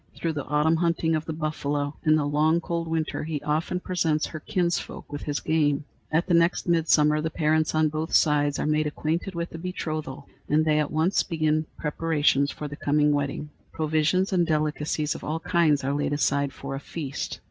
Through the autumn hunting of the buffalo and the long, cold winter he often presents her kinsfolk with his game. At the next midsummer the parents on both sides are made acquainted with the betrothal, and they at once begin preparations for the coming wedding. Provisions and delicacies of all kinds are laid aside for a feast.